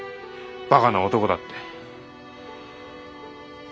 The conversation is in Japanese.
「バカな男だ」って。